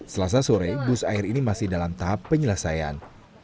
selasa sore bus air ini masih dalam tahap penyelesaian